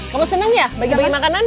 pak kamu seneng ya bagi bagi makanan ya